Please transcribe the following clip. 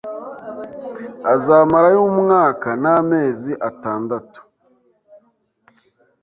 azamarayo umwaka n’ amezi atandatu.